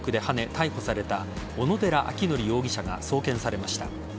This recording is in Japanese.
逮捕された小野寺章仁容疑者が送検されました。